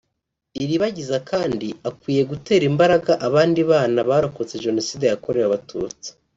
Ilibagiza kandi akwiye gutera imbaraga abandi bana barokotse Jenoside yakorewe Abatutsi